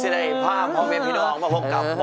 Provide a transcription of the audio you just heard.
ได้พาหมวกแม่พี่น้องมาพบกับ